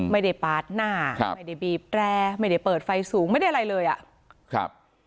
ปาดหน้าไม่ได้บีบแรร์ไม่ได้เปิดไฟสูงไม่ได้อะไรเลยอ่ะครับ